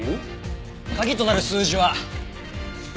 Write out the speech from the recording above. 鍵となる数字は１１。